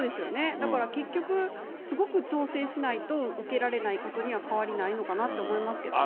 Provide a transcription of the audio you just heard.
だから結局、すごく調整しないと、受けられないことには変わりないのかなって思いますけどね。